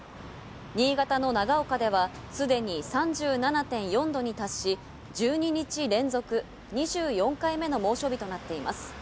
新潟の長岡では既に３７．４度に達し、１２日連続、２４回目の猛暑日となっています。